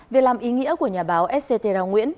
việc làm ý nghĩa của nhà báo etcetera nguyễn